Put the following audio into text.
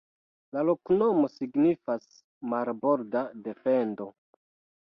La loknomo signifas: "Marborda defendo".